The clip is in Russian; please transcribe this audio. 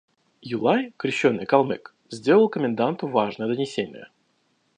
Юлай, крещеный калмык, сделал коменданту важное донесение.